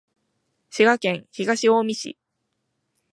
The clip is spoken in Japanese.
滋賀県東近江市